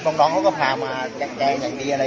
สวัสดีครับพี่เบนสวัสดีครับ